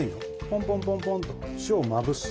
ポンポンポンポンと塩をまぶす。